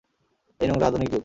এই নোংরা আধুনিক যুগ!